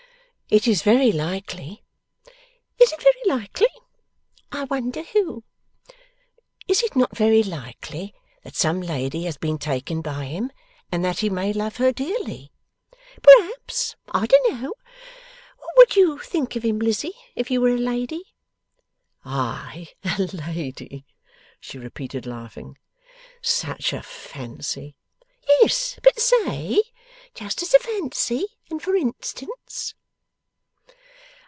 'It is very likely.' 'Is it very likely? I wonder who!' 'Is it not very likely that some lady has been taken by him, and that he may love her dearly?' 'Perhaps. I don't know. What would you think of him, Lizzie, if you were a lady?' 'I a lady!' she repeated, laughing. 'Such a fancy!' 'Yes. But say: just as a fancy, and for instance.